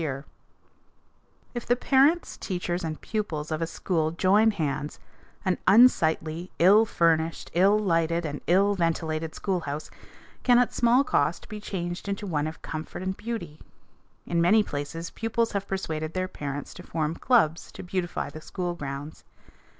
THE SAME ROAD AFTER AND BEFORE IMPROVEMENT] If the parents, teachers, and pupils of a school join hands, an unsightly, ill furnished, ill lighted, and ill ventilated school house can at small cost be changed into one of comfort and beauty. In many places pupils have persuaded their parents to form clubs to beautify the school grounds.